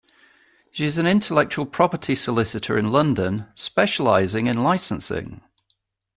She is an intellectual property solicitor in London, specialising in licensing.